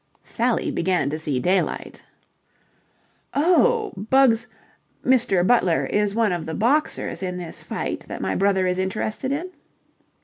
Sally began to see daylight. "Oh, Bugs Mr. Butler is one of the boxers in this fight that my brother is interested in?"